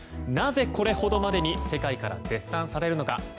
なぜ、これほどまでに世界から絶賛されるのか。